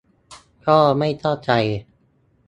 ก็ไม่เข้าใจ